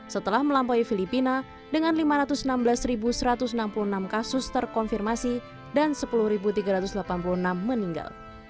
setelah melampaui filipina dengan lima ratus enam belas satu ratus enam puluh enam kasus terkonfirmasi dan sepuluh tiga ratus delapan puluh enam meninggal